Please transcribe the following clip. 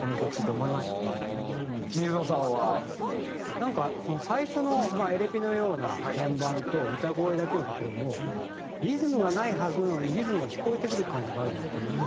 なんか最初のエレピのような鍵盤と歌声だけのところもリズムがないはずなのにリズムが聴こえてくる感じもあるなと思って。